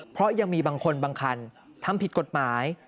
เพราะยังมีบางคนบางคันทำผิดกฎหมาย